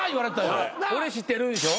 「俺知ってる？」でしょ？